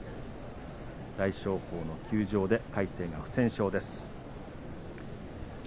大翔鵬の休場で魁聖が不戦勝です。